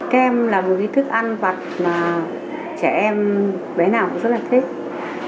kem là một cái thức ăn vặt mà trẻ em bé nào cũng rất là thích